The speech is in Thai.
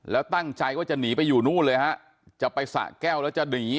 แล้วตั้งใจว่าจะหนีไปอยู่นู่นเลยฮะจะไปสะแก้วแล้วจะหนี